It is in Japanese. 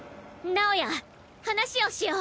直也話をしよう。